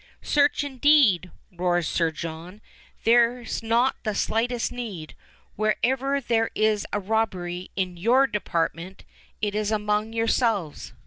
"Search, indeed!" roars Sir John. "There's not the slightest need! Whenever there is a robbery in your department, it is among yourselves!